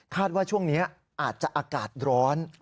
ว่าช่วงนี้อาจจะอากาศร้อน